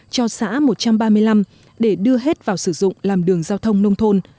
cho xã một trăm ba mươi năm để đưa hết vào sử dụng làm đường giao thông nông thôn